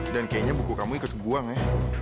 dan kayaknya buku kamu ikut dibuang ya